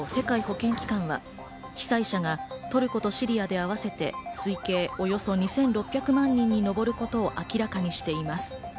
ＷＨＯ＝世界保健機関は被災者がトルコとシリアで合わせて、推計およそ２６００万人に上ることを明らかにしています。